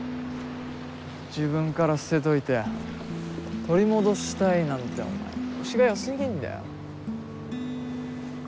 自分から捨てといて取り戻したいなんてお前虫がよすぎんだよ。